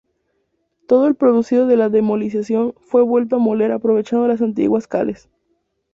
Todo el producido de la demolición fue vuelto a moler aprovechando las antiguas cales.